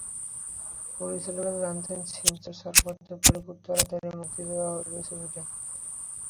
পরিচালক জানালেন, সেন্সর ছাড়পত্র পেলে খুব তাড়াতাড়ি মুক্তি দেওয়া হবে ছবিটি।